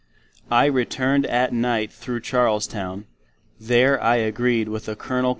I returned at Night thro Charlestown; there I agreed with a Col.